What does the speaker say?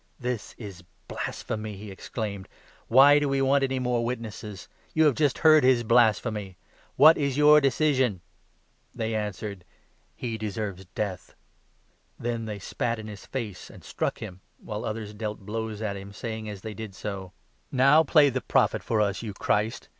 65 "This is blasplumy!" he exclaimed. "Why do we want any more witnesses ? You have just heard his blasphemy ! What is your decision ?" 66 They answered :" He deserves death." Then they spat in his face, and struck him, while others dealt 67 blows at him, saying as they did so : 68 W p8. 1 19. i ; Dan. 7. 13. MATTHEW, 26 27. 95 "Now play the Prophet for us, you Christ!